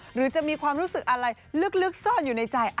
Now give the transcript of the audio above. หรือจะมีความรู้สึกอะไรลึกซ่อนอยู่ในใจ